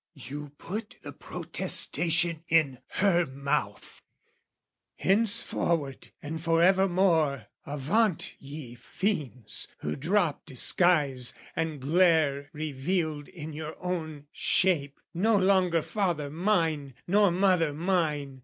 You put the protestation in her mouth "Henceforward and forevermore, avaunt "Ye fiends, who drop disguise and glare revealed "In your own shape, no longer father mine "Nor mother mine!